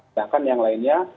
sedangkan yang lainnya